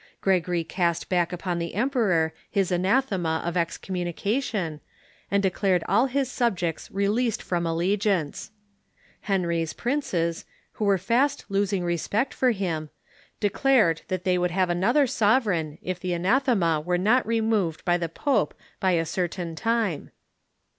Gregory cast back upon the emperor his anathema of excommunication, and declared all his subjects released from allegiance. Henry's princes, Avho Avere fast losing respect for him, declared that they would have another sovereign if the anathema AA ^ere not removed by the pope by a certain time.